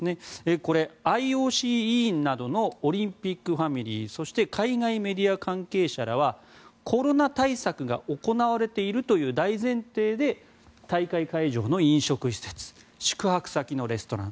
これ、ＩＯＣ委員などのオリンピックファミリーそして、海外メディア関係者らはコロナ対策が行われているという大前提で大会会場の飲食施設宿泊先のレストラン